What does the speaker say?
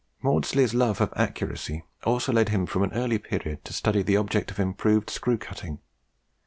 Maudslay's love of accuracy also led him from an early period to study the subject of improved screw cutting.